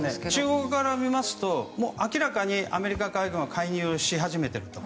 中国側から見ますと明らかにアメリカ海軍は介入し始めていると。